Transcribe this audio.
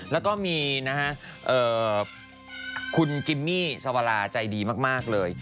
แล้วก็มีนะฮะคุณกิมมี่ชาวาราใจดีมากเลย